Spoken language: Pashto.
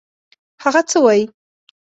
هغه څه وايي.